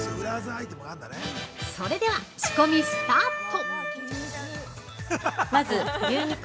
それでは、仕込みスタート。